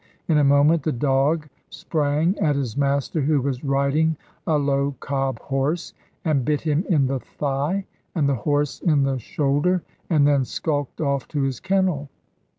In a moment the dog sprang at his master who was riding a low cob horse, and bit him in the thigh and the horse in the shoulder, and then skulked off to his kennel.